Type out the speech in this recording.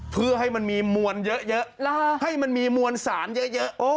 เพื่อให้มันมีมวลเยอะให้มันมีมวลสารเยอะ